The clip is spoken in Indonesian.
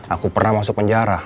aku pernah masuk penjara